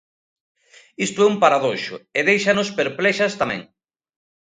Isto é un paradoxo, e déixanos perplexas tamén.